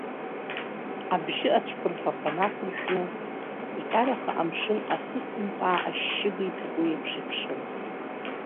Абжьы ацәқәырԥақәа нақәыршәны, икараха амшын, асысмҟаа ашьшьыга иҭаку еиԥш иԥшын.